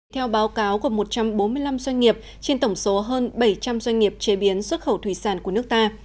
theo báo cáo của một trăm bốn mươi năm doanh nghiệp trên tổng số hơn bảy trăm linh doanh nghiệp chế biến xuất khẩu thủy sản của nước ta